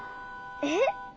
えっ？